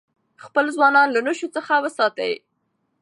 خپل ځوانان له نشو څخه وساتئ.